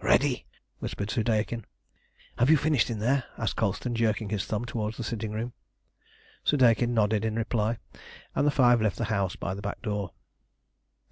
"Ready?" whispered Soudeikin. "Have you finished in there?" asked Colston, jerking his thumb towards the sitting room. Soudeikin nodded in reply, and the five left the house by the back door.